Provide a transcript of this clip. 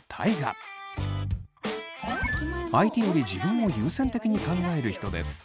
相手より自分を優先的に考える人です。